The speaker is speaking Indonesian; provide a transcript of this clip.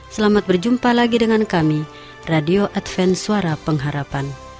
selamat berjumpa lagi dengan kami radio adven suara pengharapan